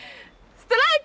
ストライク！